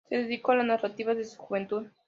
Se dedicó a la narrativa, desde su juventud.